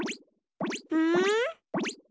うん？